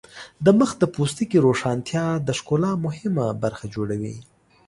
د مخ د پوستکي روښانتیا د ښکلا مهمه برخه جوړوي.